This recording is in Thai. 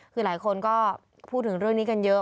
คือหลายคนก็พูดถึงเรื่องนี้กันเยอะ